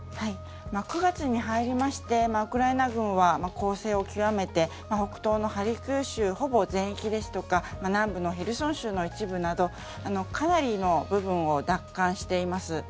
９月に入りましてウクライナ軍は攻勢を極めて北東のハルキウ州ほぼ全域ですとか南部のヘルソン州の一部などかなりの部分を奪還しています。